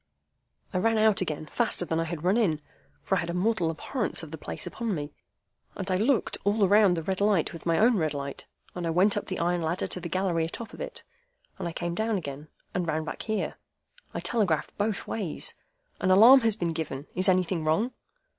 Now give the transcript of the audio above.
I ran out again faster than I had run in (for I had a mortal abhorrence of the place upon me), and I looked all round the red light with my own red light, and I went up the iron ladder to the gallery atop of it, and I came down again, and ran back here. I telegraphed both ways, 'An alarm has been given. Is anything wrong?